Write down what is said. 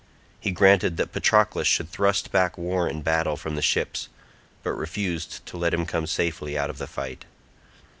He granted that Patroclus should thrust back war and battle from the ships, but refused to let him come safely out of the fight.